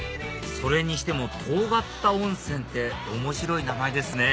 それにしても遠刈田温泉って面白い名前ですね